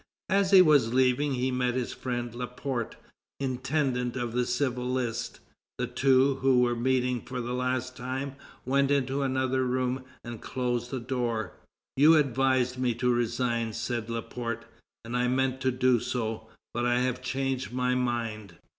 As he was leaving, he met his friend Laporte, intendant of the civil list. The two, who were meeting for the last time, went into another room and closed the door. "You advised me to resign," said Laporte, "and I meant to do so, but I have changed my mind.